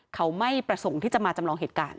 เขาไม่ประสงค์ที่จะมาจำลองเหตุการณ์